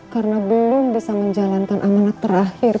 karena belum bisa menjalankan amanat terakhir